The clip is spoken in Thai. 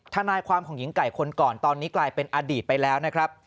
ทนายความของหญิงไก่คนก่อนตอนนี้กลายเป็นอดีตไปแล้วนะครับ